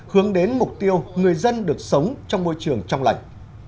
hướng đến mục tiêu người dân được sống trong môi trường trong lành